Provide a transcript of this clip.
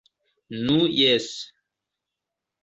Nu jes.